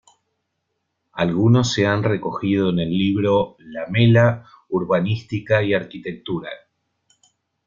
Algunos se han recogido en el libro "Lamela: Urbanística y Arquitectura.